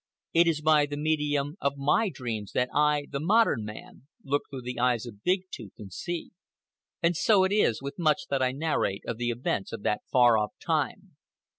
It is by the medium of my dreams that I, the modern man, look through the eyes of Big Tooth and see. And so it is with much that I narrate of the events of that far off time.